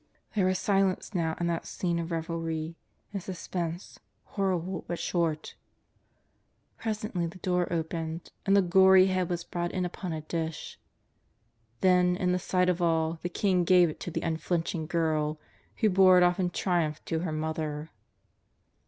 There was silence now in that scene of revelry, and suspense, horrible but short. Presently the door re opened, and the gory head was brought in upon a dish. Then, in the sight of all, the king gave it to the un flinching girl, who bore it off in triumph to her mother.